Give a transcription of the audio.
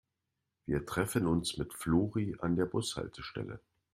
Wir treffen uns mit Flori an der Bushaltestelle.